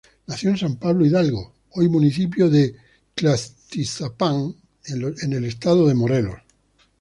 Nació en San Pablo Hidalgo, hoy municipio de Tlaltizapán en el estado de Morelos.